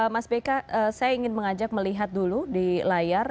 mas beka saya ingin mengajak melihat dulu di layar